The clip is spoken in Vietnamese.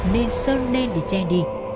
nên sơn lên để che đi